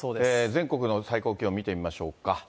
全国の最高気温、見てみましょうか。